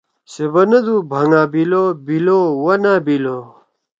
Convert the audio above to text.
سے بندُو ” بھنگابِلوبِلو ونأ بِلو“۔